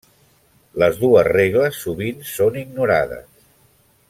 Les dues regles sovint són ignorades.